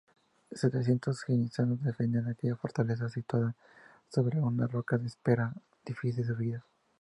Setecientos jenízaros defendían aquella fortaleza situada sobre una roca de áspera y difícil subida.